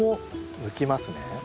抜きますね。